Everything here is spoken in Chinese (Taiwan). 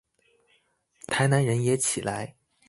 台南人也起來